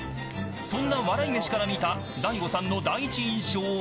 そんな笑い飯から見た大悟さんの第１印象は。